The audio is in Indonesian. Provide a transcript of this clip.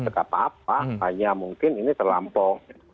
saya tidak punya tegak apa apa hanya mungkin ini terlampau